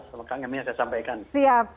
selalu kangen ini saya sampaikan